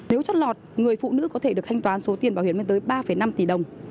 nếu chót lọt người phụ nữ có thể được thanh toán số tiền bảo hiểm lên tới ba năm tỷ đồng